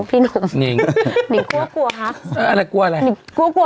พี่หนุ่มนี่เองหนึ่งกลัวกลัวฮะอะไรกลัวอะไรหนึ่งกลัวกลัว